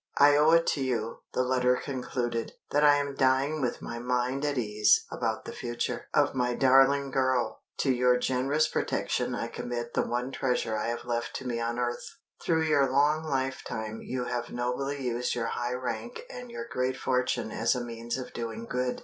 "I owe it to you," the letter concluded, "that I am dying with my mind at ease about the future of my darling girl. To your generous protection I commit the one treasure I have left to me on earth. Through your long lifetime you have nobly used your high rank and your great fortune as a means of doing good.